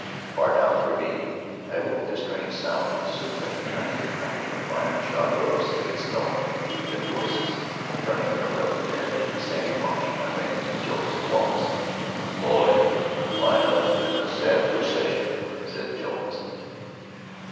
Far down the ravine I awoke to strange sounds, and soon recognized the cracking of iron shod hoofs against stone; then voices. Turning an abrupt bend in the sandy wash, I ran into Jones and Wallace. "Fall in! Line up in the sad procession!" said Jones.